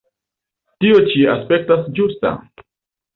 Tio ĉi aspektas ĝusta.